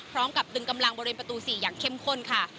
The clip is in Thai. ดึงกำลังบริเวณประตู๔อย่างเข้มข้นค่ะ